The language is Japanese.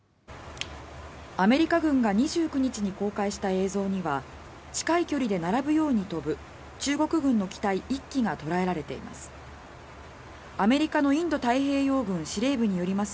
アメリカ軍が２９日に公開した映像には近い距離で並ぶように飛ぶ中国軍の機体１機が捉えられています。